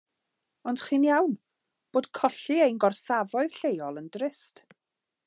Ond chi'n iawn bod colli ein gorsafoedd lleol yn drist.